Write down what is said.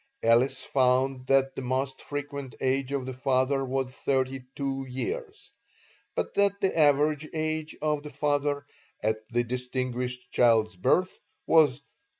Ellis found that the most frequent age of the father was thirty two years, but that the average age of the father at the distinguished child's birth was 36.